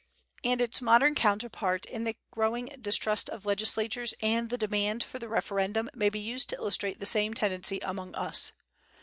And its modern counterpart in the growing distrust of legislatures and the demand for the referendum may be used to illustrate the same tendency among us.